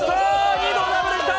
２のダブル来た！